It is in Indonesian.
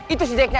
itu si jacknya